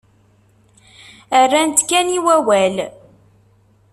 Rran-tt kan i wawal.